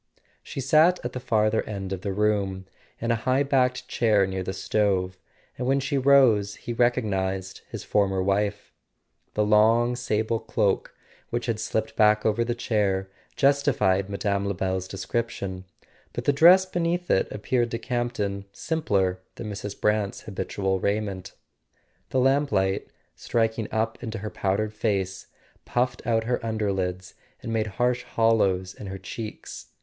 She sat at the farther end of the room, in a high backed chair near the stove, and when she rose he recognized his former wife. The long sable cloak, which had slipped back over the chair, justified Mme. Lebel's description, but the dress beneath it appeared to Camp ton simpler than Mrs. Brant's habitual raiment. The lamplight, striking up into her powdered face, puffed out her underlids and made harsh hollows in her cheeks.